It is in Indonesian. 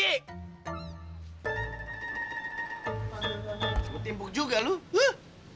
betimbuk juga lo huu